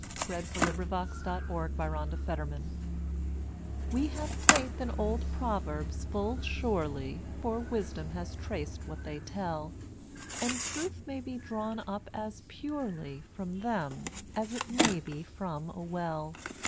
W X . Y Z Where There's a Will There's a Way WE have faith in old proverbs full surely, For Wisdom has traced what they tell, And Truth may be drawn up as purely From them, as it may from "a well."